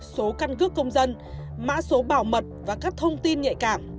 số căn cước công dân mã số bảo mật và các thông tin nhạy cảm